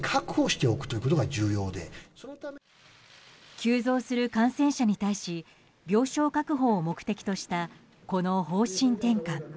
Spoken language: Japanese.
急増する感染者に対し病床確保を目的としたこの方針転換。